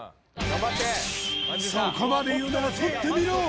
そこまで言うならとってみろ！